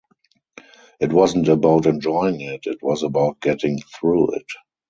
It wasn't about enjoying it, it was about getting through it.